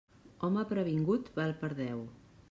Home previngut val per deu.